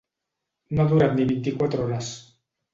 No ha durat ni vint-i-quatre hores.